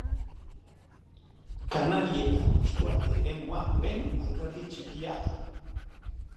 Kanarietako eskualde eremua duen alderdi txikia da.